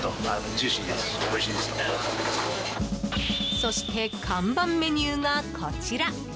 そして看板メニューがこちら。